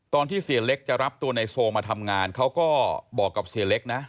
ตอนที่เสียเล็กจะรับตัวในโซมาทำงานเขาก็บอกกับเสียเล็กนะ